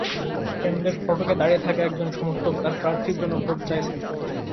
কেন্দ্রের ফটকে দাঁড়িয়ে থাকা একজন সমর্থক তাঁর প্রার্থীর জন্য ভোট চাইছেন।